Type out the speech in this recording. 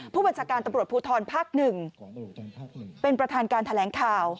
ผู้บัญชาการตำรวจภูทรภาค๑เป็นประธานการแถลงข่าว